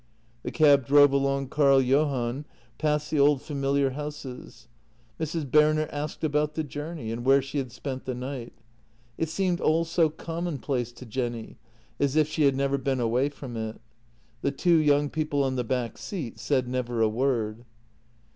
The cab drove along Carl Johan, past the old familiar houses. Mrs. Berner asked about the journey, and where she had spent the night. It seemed all so commonplace to Jenny, as if she had never been away from it. The two young people on the back seat said never a word.